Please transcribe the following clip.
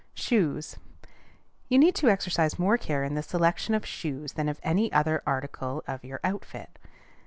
SHOES. You need to exercise more care in the selection of shoes than of any other article of your outfit.